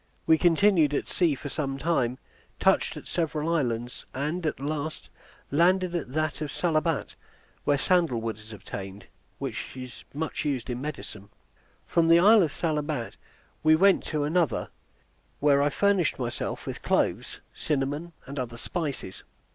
We continued at sea for some time, touched at several islands, and at last landed at that of Salabat, where sandal wood is obtained, which is much used in medicine. From the isle of Salabat we went to another, where I furnished myself with cloves, cinnamon, and other spices.